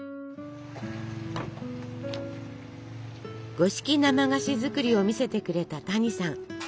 五色生菓子作りを見せてくれた谷さん。